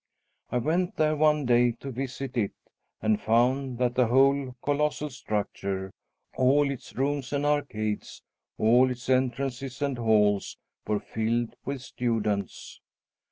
I went there one day to visit it, and found that the whole colossal structure all its rooms and arcades, all its entrances and halls were filled with students.